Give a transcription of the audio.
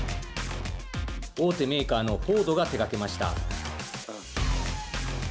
大手メーカーのフォードが手がけました。